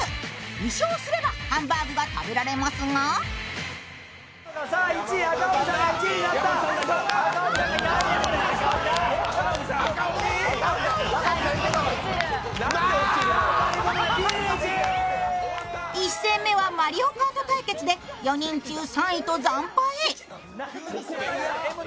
２勝すれば、ハンバーグが食べられますが１戦目は「マリオカート」対決で４人中３位と惨敗。